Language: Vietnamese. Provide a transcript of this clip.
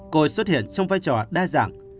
cô xuất hiện trong vai trò đa dạng